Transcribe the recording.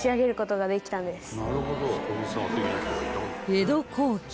江戸後期